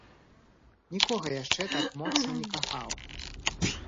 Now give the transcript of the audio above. Нікога яшчэ так моцна не кахаў.